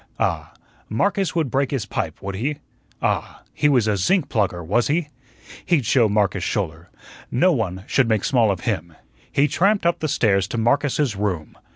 Ah, Marcus would break his pipe, would he? Ah, he was a zinc plugger, was he? He'd show Marcus Schouler. No one should make small of him. He tramped up the stairs to Marcus's room.